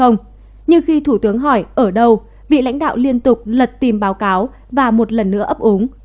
nhưng khi thủ tướng hỏi ở đâu vị lãnh đạo liên tục lật tìm báo cáo và một lần nữa ấp ốm